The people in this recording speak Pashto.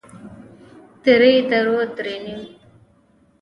درې درو درېيم